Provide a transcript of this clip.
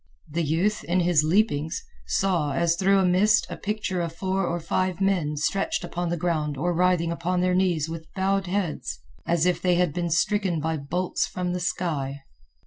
The youth, in his leapings, saw, as through a mist, a picture of four or five men stretched upon the ground or writhing upon their knees with bowed heads as if they had been stricken by bolts from the sky.